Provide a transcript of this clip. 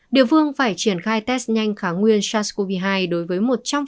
địa phương phải triển khai test nhanh kháng nguyên sars cov hai đối với một trăm linh